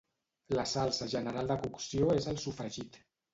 La salsa general de cocció és el sofregit